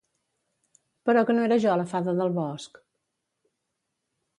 Però que no era jo la fada del bosc?